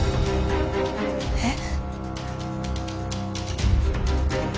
えっ？